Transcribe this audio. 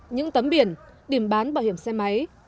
những tấm biển điểm bán bảo hiểm xe máy